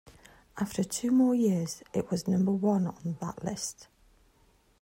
After two more years, it was number one on that list.